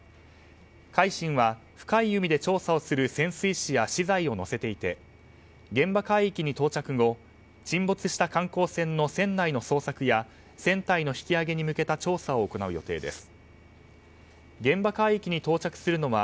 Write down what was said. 「海進」は深い海で調査をする潜水士や資材を載せていて現場海域に到着後沈没した観光船の船内の捜索や船体の引き揚げに向けた調査を行う予定です。